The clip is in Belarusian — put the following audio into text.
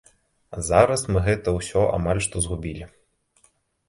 Зараз мы гэта ўсё амаль што згубілі.